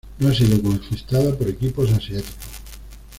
No ha sido conquistada por equipos asiáticos.